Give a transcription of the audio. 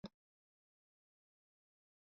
His remains are buried at Kensal Green cemetery.